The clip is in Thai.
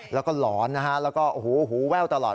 แล้วก็หลอนนะฮะแล้วก็โอ้โหหูแว่วตลอด